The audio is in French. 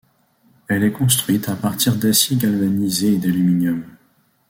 Elle est construite à partir d'acier galvanisé et d'aluminium.